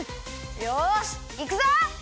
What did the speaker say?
よしいくぞ！